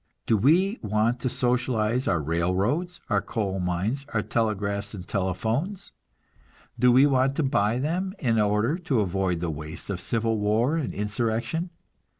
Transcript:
Do we want to socialize our railroads, our coal mines, our telegraphs and telephones? Do we want to buy them, in order to avoid the wastes of civil war and insurrection?